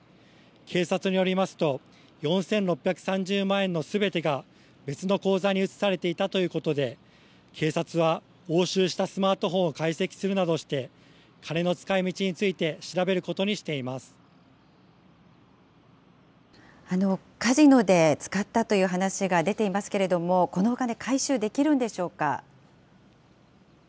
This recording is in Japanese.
警察によりますと、４６３０万円のすべてが別の口座に移されていたということで、警察は押収したスマートフォンを解析するなどして、金の使いみちについて調べるカジノで使ったという話が出ていますけれども、このお金、回収できるんでしょうか。